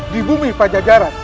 di bumi pajajaran